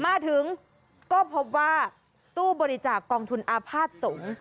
มาถึงก็พบว่าตู้บริจาคกองทุนอาภาษณ์สงฆ์